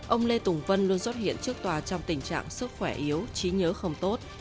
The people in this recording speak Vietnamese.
ông lê tùng vân luôn xuất hiện trước tòa trong tình trạng sức khỏe yếu trí nhớ không tốt